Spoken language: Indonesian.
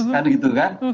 kan gitu kan